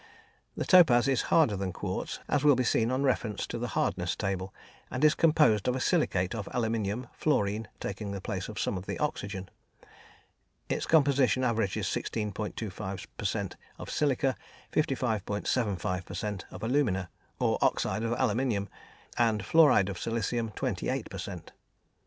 The topaz is harder than quartz, as will be seen on reference to the "Hardness" table, and is composed of a silicate of aluminium, fluorine taking the place of some of the oxygen. Its composition averages 16.25 per cent. of silica, 55.75 per cent. of alumina, or oxide of aluminium, and fluoride of silicium, 28 per cent.